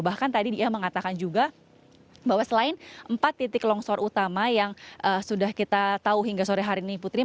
bahkan tadi dia mengatakan juga bahwa selain empat titik longsor utama yang sudah kita tahu hingga sore hari ini putri